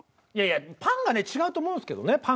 いやいやパンがね違うと思うんですけどね